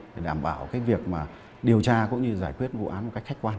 để đảm bảo cái việc mà điều tra cũng như giải quyết vụ án một cách khách quan